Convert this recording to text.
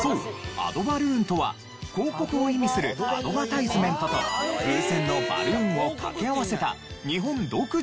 アドバルーンとは広告を意味する「アドバタイズメント」と風船の「バルーン」をかけ合わせた日本独自の言葉。